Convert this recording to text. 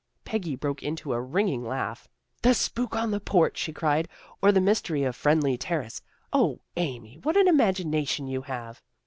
Peggy broke into a ringing laugh. " The Spook on the Porch," she cried, " or the Mystery of Friendly Terrace. O, Amy, what an imagination you have!"